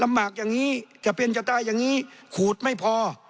หมากอย่างนี้จะเป็นจะตายอย่างนี้ขูดไม่พอ